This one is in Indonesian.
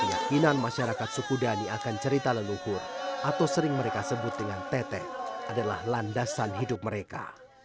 keyakinan masyarakat sukudani akan cerita leluhur atau sering mereka sebut dengan teteh adalah landasan hidup mereka